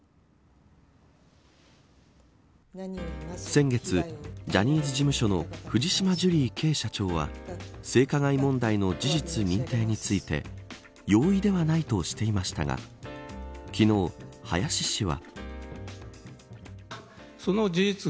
先月、ジャニーズ事務所の藤島ジュリーＫ．社長は性加害問題の事実認定について容易ではないとしていましたが昨日、林氏は。